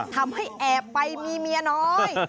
ทำให้แอบไปมีเมียน้อย